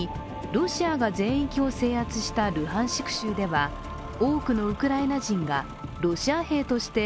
ロシアが全域を制圧したルハンシク州では多くのウクライナ人がロシア兵として